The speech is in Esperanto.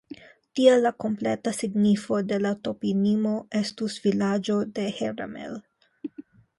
Tial la kompleta signifo de la toponimo estus "vilaĝo de Herramel".